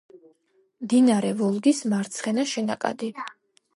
მდინარე ვოლგის მარცხენა შენაკადი.